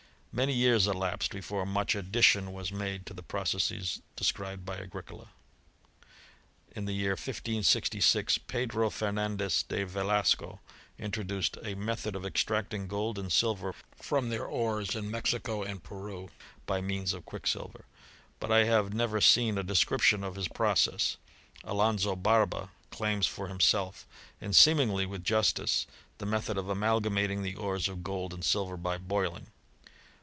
Many years elapsed before much addition was made to the processes described by Agricola. In the year 1566, Pedro Femandes de Velasco introduced a niethod of extracting gold and silver from their ores in Mexico and Peru by means of quicksilver. But I lutve never seen a description of his process. Alonzo Barba claims for liimself, and seemingly with justice, the method of amalgamating the ores of gold and silver by boiling.